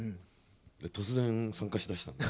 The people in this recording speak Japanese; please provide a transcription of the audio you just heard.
突然参加しだしたんです。